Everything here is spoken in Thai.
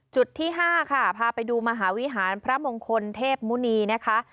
จุดที่๕ค่ะพาไปดูมหาวิหารพระมงคลเทพมุณีนะคะ